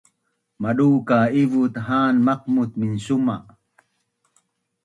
Madu ka ivut ha’an maqmut minsuma’